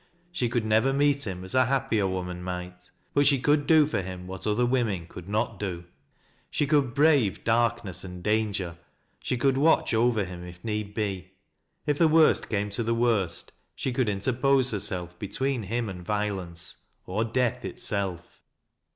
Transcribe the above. She could nerer meet him as a happier woman might, but she could do for him what other women could not dc — she could brave darkness and danger, she coald watch over him, if need be ; if the worst came to the worht, she could interpose herself between him and violence, or death itself.